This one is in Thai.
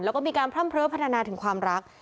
แล้วก็มีการพร่ำเพ้อพัฒนาถึงความรัก